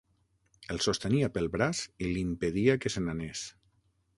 El sostenia pel braç i l'impedia que se n'anés.